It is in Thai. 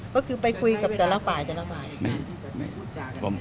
ก็คือไปคุยกับแต่ละฝ่าย